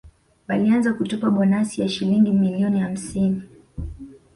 Walianza kutupa bonasi ya Shilingi milioni hamsini